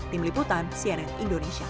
tim liputan cnn indonesia